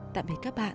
tạm biệt các bạn